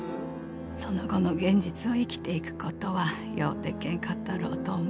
その後の現実を生きていく事はようでけんかったろうと思う」。